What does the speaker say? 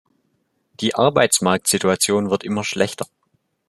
Die Arbeitsmarktsituation wird immer schlechter.